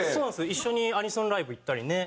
一緒にアニソンライブ行ったりね。